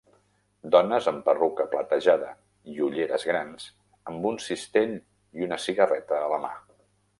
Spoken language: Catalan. Dones amb perruca platejada i ulleres grans, amb un cistell i una cigarreta a la mà.